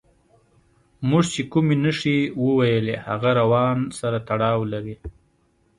موږ چې کومې نښې وویلې هغه روان سره تړاو لري.